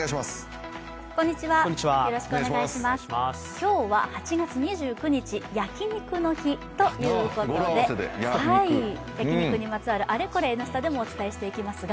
今日は８月２９日、焼肉の日ということで焼き肉にまつわるあれこれ、「Ｎスタ」でもお伝えしていきます。